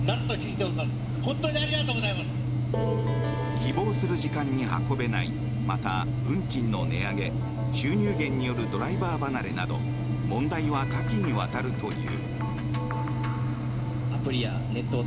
希望する時間に運べないまた運賃の値上げ収入減によるドライバー離れなど問題は多岐にわたるという。